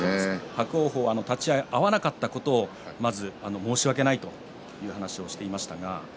伯桜鵬は立ち合い、合わなかったことを申し訳ないという話をしていました。